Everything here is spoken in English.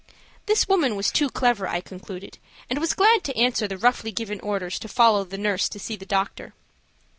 This woman was too clever, I concluded, and was glad to answer the roughly given orders to follow the nurse to see the doctor.